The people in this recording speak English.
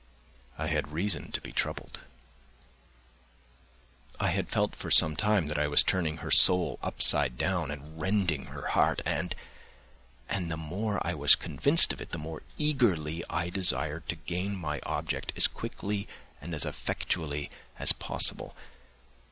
I had reason to be troubled. I had felt for some time that I was turning her soul upside down and rending her heart, and—and the more I was convinced of it, the more eagerly I desired to gain my object as quickly and as effectually as possible.